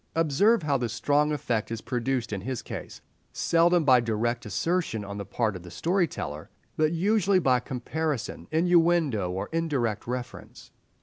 Observe how the strong effect is produced in his case: seldom by direct assertion on the part of the story teller, but usually by comparison, innuendo, or indirect reference.